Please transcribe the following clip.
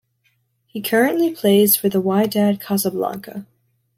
He currently plays for Wydad Casablanca.